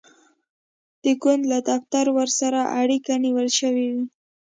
د ګوند له دفتره ورسره اړیکه نیول شوې وي.